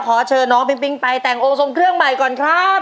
ขอเชิญน้องปิ๊งไปแต่งองค์ทรงเครื่องใหม่ก่อนครับ